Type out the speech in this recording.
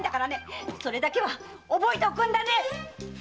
それだけは覚えておくんだね！